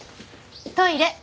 トイレ。